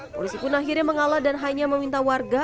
polisi pun akhirnya mengalah dan hanya meminta warga